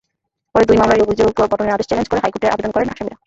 পরে দুটি মামলারই অভিযোগ গঠনের আদেশ চ্যালেঞ্জ করে হাইকোর্টে আবেদন করেন আসামিরা।